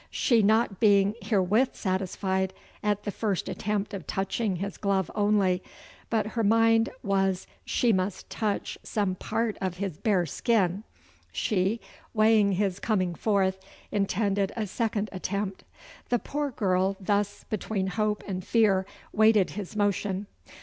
She not being herewith satisfied at the first attempt of touching his glove only, but her mind was she must touch some part of his bare skin, she, weighing his coming forth, intended a second attempt. The poor girl, thus between hope and fear, waited his motion.